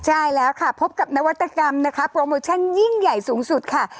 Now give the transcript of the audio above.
ใช่แล้วค่ะพบกับนวัตกรรมนะคะโปรโมชั่นยิ่งใหญ่สูงสุดค่ะ